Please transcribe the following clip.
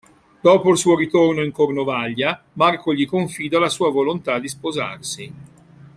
Dopo il suo ritorno in Cornovaglia, Marco gli confida la sua volontà di sposarsi.